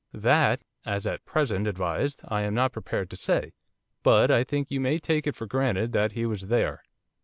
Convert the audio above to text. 'That, as at present advised, I am not prepared to say, but I think you may take it for granted that he was there.